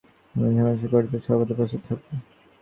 সকল শুভকর্মব্রতীকেই সাহায্য করিতে সর্বদা প্রস্তুত থাক।